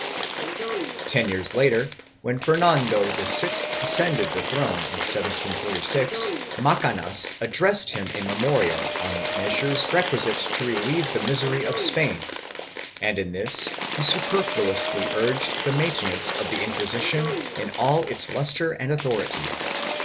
1 Ten years later, when Fernando VI ascended the throne in 1746, Macanaz addressed him a memorial on the measures requisite to relieve the misery of Spain and in this he superfluously urged the maintenance of the Inquisition in all its lustre and authority.